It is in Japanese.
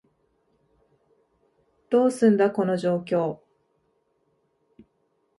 どうすんだ、この状況？